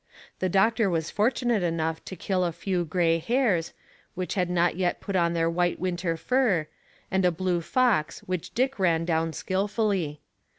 The doctor was fortunate enough to kill a few grey hares, which had not yet put on their white winter fur, and a blue fox which Dick ran down skilfully.